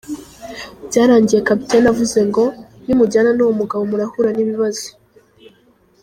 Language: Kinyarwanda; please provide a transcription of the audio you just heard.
Byarangiye Captain avuze ngo ‘nimujyana n’uwo mugabo murahura n’ibibazo.